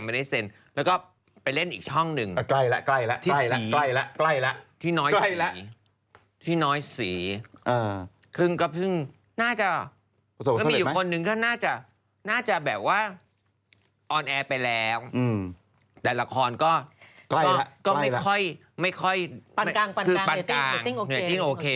ปั่นกางเหนือกลุ้มมากเหนือกลุ้มโอเค